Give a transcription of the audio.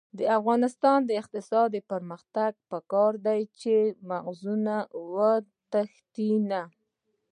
د افغانستان د اقتصادي پرمختګ لپاره پکار ده چې مغزونه وتښتي نه.